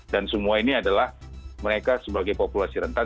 dan semua ini adalah mereka sebagai populasi rentan